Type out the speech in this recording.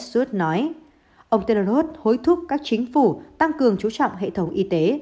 ghebreyesus nói ông tedros hối thúc các chính phủ tăng cường chú trọng hệ thống y tế